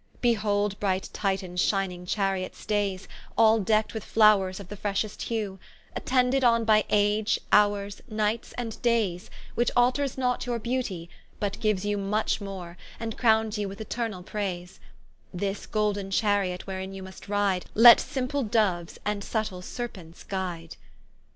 Behold, bright Titans shining chariot staies, All deckt with flowers of the freshest hew, Attended on by Age, Houres, Nights, and Daies, Which alters not your beauty, but giues you Much more, and crownes you with eternall praise: This golden chariot wherein you must ride, Let simple Doues, and subtill serpents guide.